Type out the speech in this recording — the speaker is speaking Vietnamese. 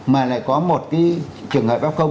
mà lại có một cái trường hợp f